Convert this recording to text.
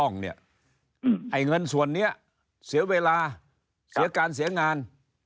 ไอ้เงินส่วนนี้เสียเวลาเสียการเสียงาน